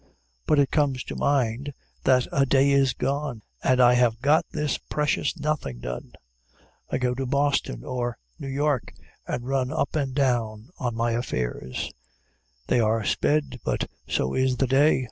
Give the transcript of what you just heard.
But it comes to mind that a day is gone, and I have got this precious nothing done. I go to Boston or New York, and run up and down on my affairs: they are sped, but so is the day.